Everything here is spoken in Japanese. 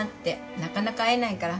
なかなか会えないから。